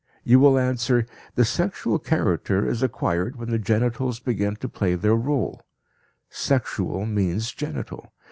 You will answer, the sexual character is acquired when the genitals begin to play their role; sexual means genital.